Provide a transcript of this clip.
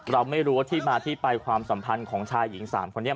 เราไม่รู้ว่าที่มาที่ไปความสัมพันธ์ของชายหญิง๓คนนี้